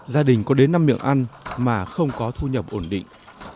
gia đình có đến năm miệng ăn mà không có thu nhập ổn định